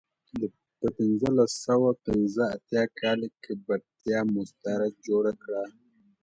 په پنځلس سوه پنځه اتیا کال کې برېټانیا مستعمره جوړه کړه.